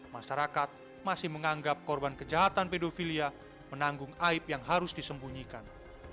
masyarakat masih menganggap korban kejahatan pedofilia menanggung aib yang harus disembunyikan